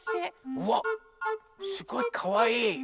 うわっすごいかわいい！